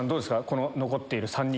この残っている３人。